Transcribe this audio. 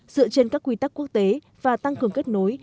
dựa trên các quy tắc quốc tế và tăng cường kết nối